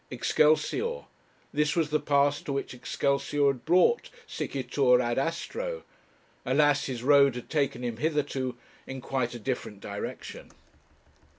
'Excelsior!' This was the pass to which 'Excelsior' had brought Sic itur ad astro! Alas, his road had taken him hitherto in quite a different direction.